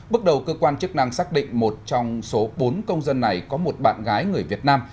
bước đầu cơ quan chức năng xác định một trong số bốn công dân này có một bạn gái người việt nam